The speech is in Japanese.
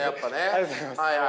ありがとうございます。